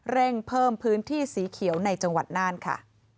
เร่งเพิ่มพื้นที่สีเขียวในจังหวัดน่านค่ะ